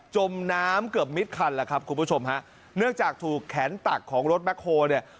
จมน้ำเกือบมิดคันแล้วครับคุณผู้ชมฮะเนื่องจากถูกแขนตักของรถแบ็คโฮเนี่ย